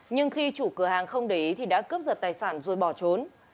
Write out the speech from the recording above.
nhưng khi chủ cửa hàng không để ý thì đã cướp giật tài sản rồi bỏ trốn